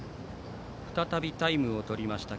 再びタイムをとりました。